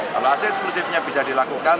kalau ac eksklusifnya bisa dilakukan